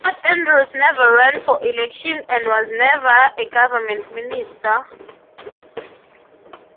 Todd Andrews never ran for election and was never a government minister.